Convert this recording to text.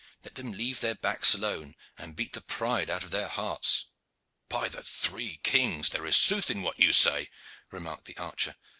Let them leave their backs alone, and beat the pride out of their hearts." "By the three kings! there is sooth in what you say," remarked the archer.